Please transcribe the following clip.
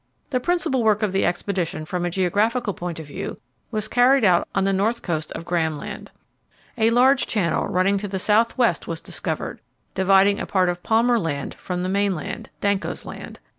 The principal work of the expedition, from a geographical point of view, was carried out on the north coast of Graham Land. A large channel running to the south west was discovered, dividing a part of Palmer Land from the mainland Danco's Land.